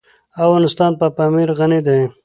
افغانستان په پامیر غني دی.